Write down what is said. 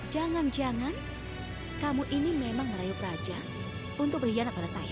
jangan jangan kamu ini memang merayup raja untuk berkhianat pada saya